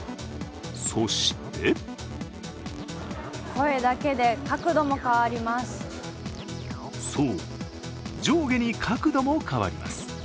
そしてそう、上下に角度も変わります。